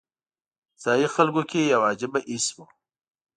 ځایي خلکو کې یو عجیبه حس و.